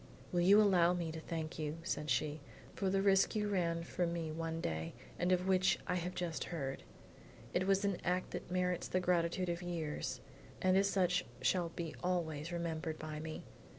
"Will you allow me to thank you," said she, "for the risk you ran for me one day and of which I have just heard. It was an act that merits the gratitude of years, and as such shall be always remembered by me.